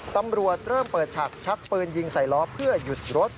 ตำรวจเริ่มเปิดฉากชักปืนยิงใส่ล้อเพื่อหยุดรถ